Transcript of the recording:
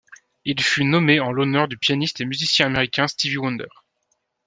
Il fut nommé en l'honneur du pianiste et musicien américain Stevie Wonder.